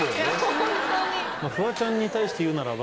フワちゃんに対して言うならば。